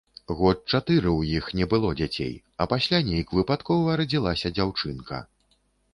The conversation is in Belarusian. Год чатыры ў іх не было дзяцей, а пасля нейк выпадкова радзілася дзяўчынка.